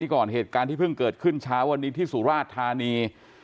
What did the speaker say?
ก่อนเหตุการณ์ที่เพิ่งเกิดขึ้นเช้าวันนี้ที่สุราชธานี